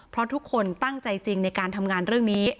เพราะทุกคนตั้งใจจริงในการทำงานเรื่องนี้